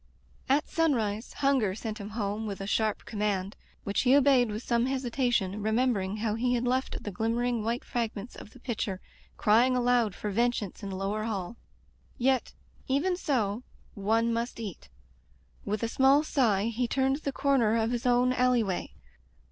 At sunrise, hunger sent him home with a sharp command, which he obeyed with some Digitized by LjOOQ IC Interventions hesitation, remembering how he had left the glimmering white fragments of the pitcher * crying aloud for vengeance in the lower hall. Yet — even so — one must eat. With a small sigh he turned the corner of his own alley way.